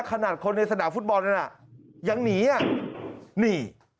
ขนาดคนในสนามฟุตบอลนั้นน่ะยังหนีอ่ะนี่